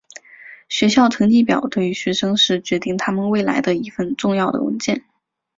学校成绩表对于学生是决定他们未来的一份重要的文件。